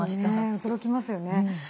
驚きますよね。